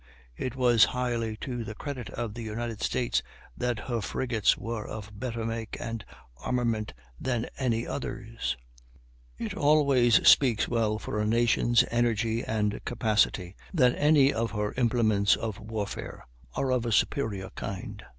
It was highly to the credit of the United States that her frigates were of better make and armament than any others; it always speaks well for a nation's energy and capacity that any of her implements of warfare are of superior kind.